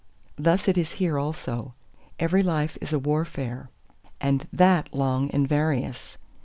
... Thus it is here also. Every life is a warfare, and that long and various.